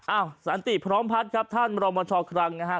สันติพร้อมพัฒน์ครับท่านบรมชครังนะฮะ